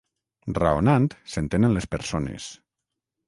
Raonant s'entenen les persones.